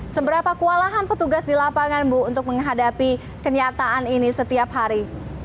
seberapa kewalahan petugas di lapangan bu untuk menghadapi kenyataan ini setiap hari